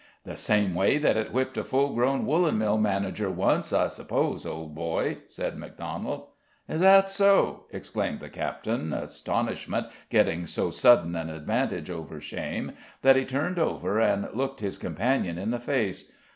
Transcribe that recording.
"The same way that it whipped a full grown woolen mill manager once, I suppose, old boy," said Macdonald. "Is that so?" exclaimed the captain, astonishment getting so sudden an advantage over shame that he turned over and looked his companion in the face.